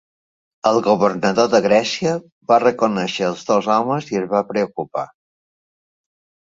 El governador de Grècia va reconèixer els dos homes i es va preocupar.